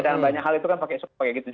dan banyak hal itu kan pakai